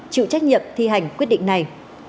chịu trách nhiệm thi hành quyết định này